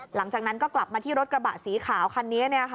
หลังจากนั้นก็กลับมาที่รถกระบะสีขาวคันนี้